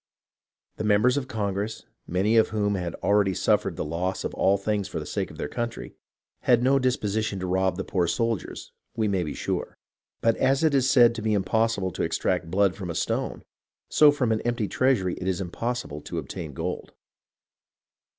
The members of Congress, many of whom had already suffered the loss of all things for the sake of their country, had no disposition to rob the poor soldiers, we may be sure ; but as it is said to be impossible to extract blood from a stone, so from an empty treasury is it impossible to obtain gold.